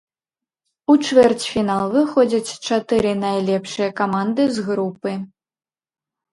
У чвэрцьфінал выходзяць чатыры найлепшыя каманды з групы.